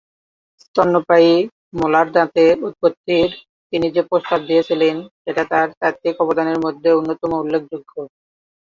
স্তন্যপায়ী মোলার দাঁতের উৎপত্তির তিনি যে প্রস্তাব দিয়েছিলেন সেটা তার তাত্ত্বিক অবদানের মধ্যে অন্যতম উল্লেখযোগ্য।